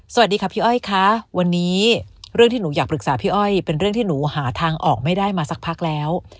สวัสดีค่ะพี่อ้อยค่ะวันนี้เรื่องที่หนูอยากปรึกษาพี่อ้อยเป็นเรื่องที่หนูหาทางออกไม่ได้มาสักพักแล้ว